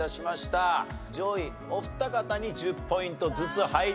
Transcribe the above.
上位お二方に１０ポイントずつ入ります。